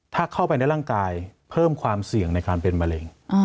ถ้าเข้าไปในร่างกายเพิ่มความเสี่ยงในการเป็นมะเร็ง